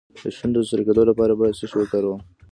د شونډو د سره کیدو لپاره باید څه شی وکاروم؟